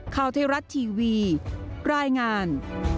ข่าวเทราะต์ทีวีรายงาน